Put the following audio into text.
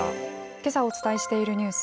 けさお伝えしているニュース。